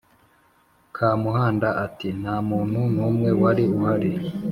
Kamuhanda ati: “Nta muntu n’umwe wari uhari.